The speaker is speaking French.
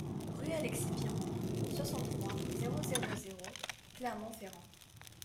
Rue Alexis Piron, soixante-trois, zéro zéro zéro Clermont-Ferrand